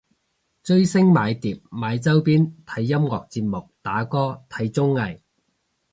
追星買碟買周邊睇音樂節目打歌睇綜藝